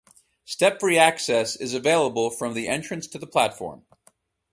Step-free access is available from the entrance to the platform.